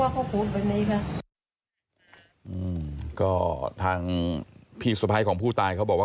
ก็ทางพี่สุภัยของผู้ตายเขาบอกว่า